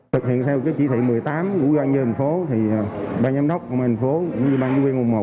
thực hiện theo chỉ thị một mươi tám của doanh nhân thành phố thì ban giám đốc công an thành phố cũng như ban nhân viên nguồn một